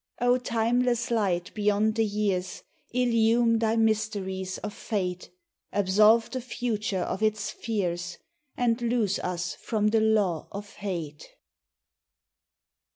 O timeless Light beyond the years, Illume Thy mysteries of fate! Absolve the future of its fears, And loose us from the law of hate!